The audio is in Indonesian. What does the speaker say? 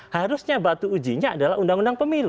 harusnya batu ujinya adalah undang undang pemilu